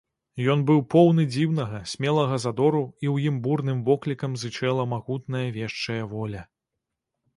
Ён быў поўны дзіўнага, смелага задору, у ім бурным воклікам зычэла магутная вешчая воля.